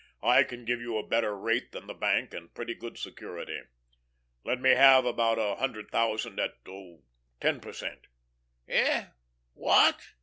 I can give you a better rate than the bank, and pretty good security. Let me have about a hundred thousand at oh, ten per cent." "Hey what?"